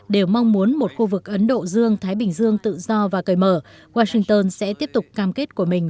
đều mong muốn một khu vực ấn độ dương thái bình dương tự do và cởi mở washington sẽ tiếp tục cam kết của mình